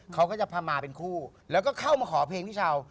เขาก็จะพามาเป็นคู่แล้วก็เข้ามาขอเพลงพี่เช้า